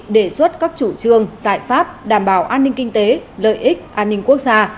đề xuất các chủ trương giải pháp đảm bảo an ninh kinh tế lợi ích an ninh quốc gia